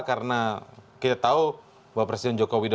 karena kita tahu bahwa presiden jokowi itu tidak bisa berbuat apa apa